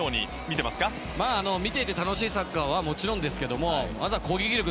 見ていて楽しいサッカーはもちろんですが、まずは攻撃力。